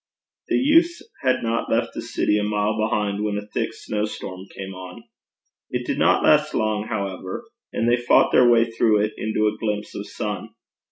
The youths had not left the city a mile behind, when a thick snowstorm came on. It did not last long, however, and they fought their way through it into a glimpse of sun.